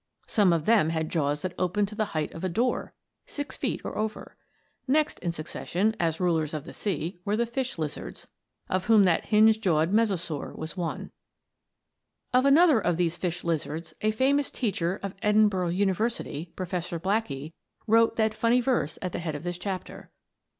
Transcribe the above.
Some of them had jaws that opened to the height of a door six feet or over. Next in succession, as rulers of the sea, were the fish lizards, of whom that hinge jawed Mesosaur was one. Of another of these fish lizards a famous teacher of Edinburgh University, Professor Blackie, wrote that funny verse at the head of this chapter.